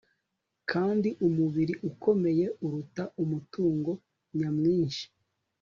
kandi umubiri ukomeye uruta umutungo nyamwinshi